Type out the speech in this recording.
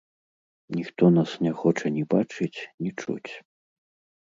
Ніхто нас не хоча ні бачыць, ні чуць.